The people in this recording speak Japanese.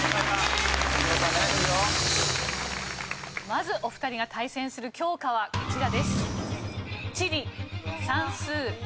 まずお二人が対戦する教科はこちらです。